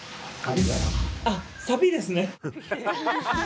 あっサビですね。